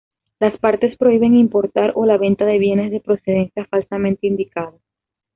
Las partes prohíben importar o la venta de bienes de procedencia falsamente indicada.